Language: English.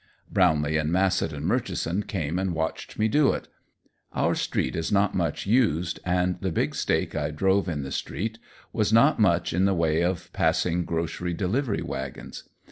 Brownlee and Massett and Murchison came and watched me do it. Our street is not much used, and the big stake I drove in the street was not much in the way of passing grocery delivery wagons.